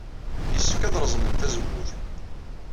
Yessefk ad reẓmen tazewwut?